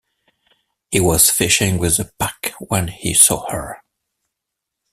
He was fishing with the pack when he saw her.